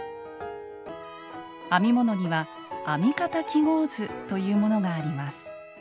編み物には「編み方記号図」というものがあります。